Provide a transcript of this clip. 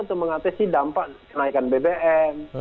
untuk mengatasi dampak kenaikan bbm